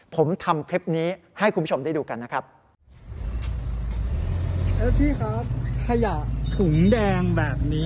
ผมทำคลิปนี้ให้คุณผู้ชมได้ดูกันนะครับ